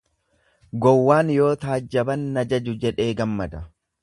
Gowwaan yoo taajjaban na jaju jedhee gammada.